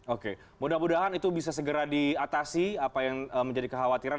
oke mudah mudahan itu bisa segera diatasi apa yang menjadi kekhawatiran